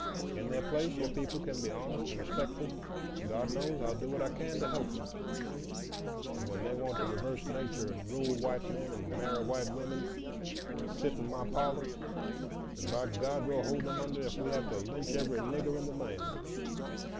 In their place, your people can be honest and respectful; and God knows, I'll do what I can to help them. But when they want to reverse nature, and rule white men, and marry white women, and sit in my parlor, then, by God! we'll hold them under if we have to lynch every Nigger in the land.